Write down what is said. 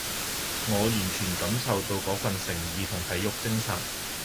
我完全感受到嗰份誠意同體育精神